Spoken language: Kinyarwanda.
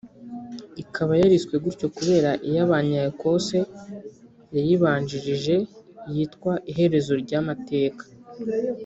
ikaba yariswe gutyo kubera iy’abanya Ecosse yayibanjirije yitwa “ Iherezo ry’Amateka”